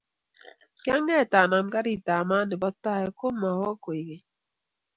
kiang'et anam karitab maat nebo tai ko maou kwekeny